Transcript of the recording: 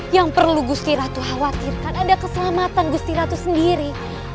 yang perlu gusti ratu khawatirkan ada keselamatan gusti ratu sendiri